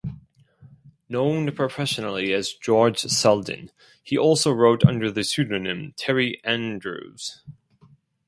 Known professionally as George Selden, he also wrote under the pseudonym Terry Andrews.